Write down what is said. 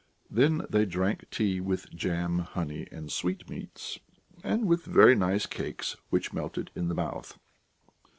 Then they drank tea with jam, honey, and sweetmeats, and with very nice cakes, which melted in the mouth.